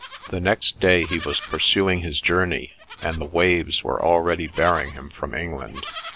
— The next day he was pursuing his journey, and the waves were already bearing him from England.